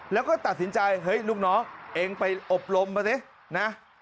แล้วก็ตัดสินใจเฮ้ยลูกน้องเองไปอบรมมาสินะ